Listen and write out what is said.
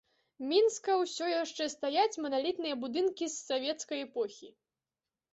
Мінска ўсё яшчэ стаяць маналітныя будынкі з савецкай эпохі.